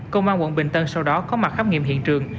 công an quận bình tân sau đó có mặt khám nghiệm hiện trường